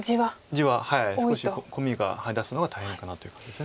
地は少しコミが出すのが大変かなという感じです。